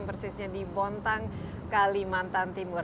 persisnya di bontang kalimantan timur